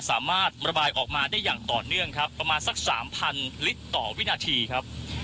สามารถระบายออกมาได้อย่างต่อเนื่องครับประมาณสักสามพันลิตรต่อวินาทีครับ